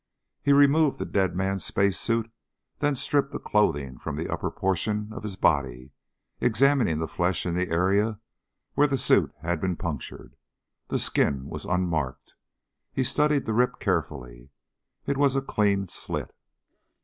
He removed the dead man's space suit, then stripped the clothing from the upper portion of his body, examining the flesh in the area where the suit had been punctured. The skin was unmarked. He studied the rip carefully. It was a clean slit.